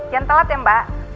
jangan telat ya mbak